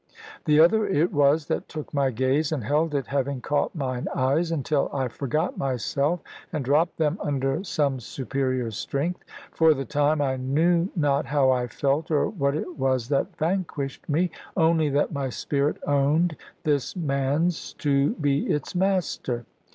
The other it was that took my gaze, and held it, having caught mine eyes, until I forgot myself, and dropped them under some superior strength. For the time, I knew not how I felt, or what it was that vanquished me; only that my spirit owned this man's to be its master.